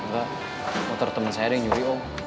gak motor teman saya deh yang nyuri om